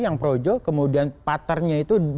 yang projo kemudian patternnya itu